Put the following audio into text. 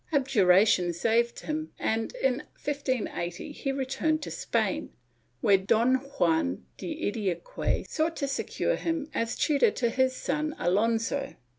Abjura tion saved him and, in 1580, he returned to Spain, where Don Juan de Idiaquez sought to secure him as tutor to his son Alonso.